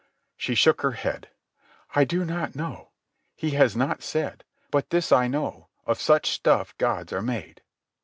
She shook her head. "I do not know. He has not said. But this I know: of such stuff gods are made."